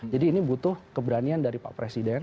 jadi ini butuh keberanian dari pak presiden